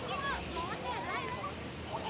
สวัสดีครับทุกคน